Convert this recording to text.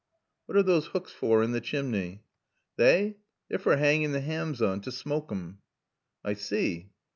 "What are those hooks for in the chimney?" "They? They're fer 'angin' the haams on to smoak 'em." "I see."